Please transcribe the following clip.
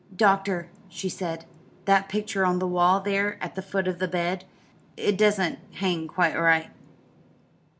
"Doctor," she said, "that picture on the wall there at the foot of the bed it doesn't hang quite straight."